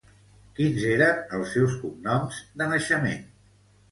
Quins eren els seus cognoms de naixement?